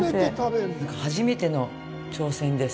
なんか初めての挑戦です。